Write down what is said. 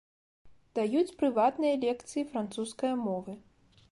Даюць прыватныя лекцыі французскае мовы.